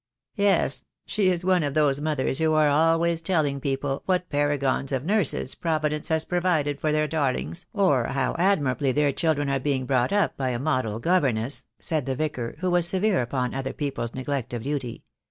"Yes, she is one of those mothers who are always telling people what paragons of nurses Providence has provided for their darlings, or how admirably their chil dren are being brought up by a model governess," said the Vicar, who was severe upon other people's neglect of duty.